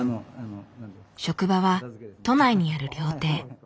職場は都内にある料亭。